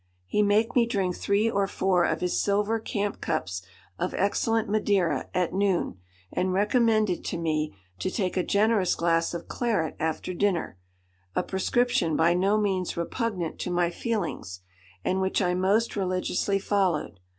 He make me drink three or four of his silver camp cups of excellent Madeira at noon, and recommended to me to take a generous glass of claret after dinner; a prescription by no means repugnant to my feelings, and which I most religiously followed.